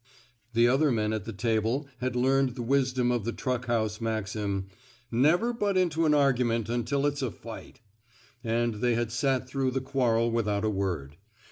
The other men at the table had learned the wisdom of the truck house maxim: Never butt into an argument until it's a fight; '' and they had sat through the quarrel without a word.